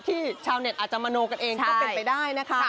ชาวเน็ตอาจจะมโนกันเองก็เป็นไปได้นะคะ